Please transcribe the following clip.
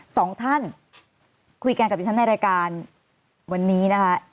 สองท่านคุยกันกับดิฉันในรายการวันนี้นะคะ